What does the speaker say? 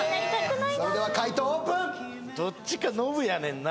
それでは解答オープンどっちかノブやねんな